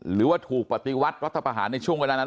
หรือว่าถูกปฏิวัติรัฐประหารในช่วงเวลานั้น